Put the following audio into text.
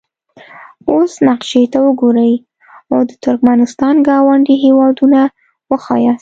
اوس نقشې ته وګورئ او د ترکمنستان ګاونډي هیوادونه وښایاست.